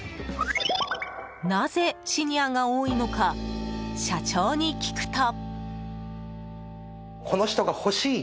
なぜシニアが多いのか社長に聞くと。